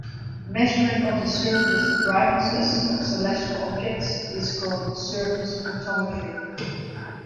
Measurement of the surface brightnesses of celestial objects is called surface photometry.